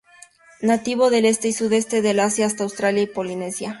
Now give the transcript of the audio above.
Nativo del este y sudeste de Asia hasta Australia y Polinesia.